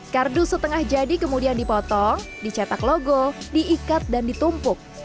kardus setengah jadi kemudian dipotong dicetak logo diikat dan ditumpuk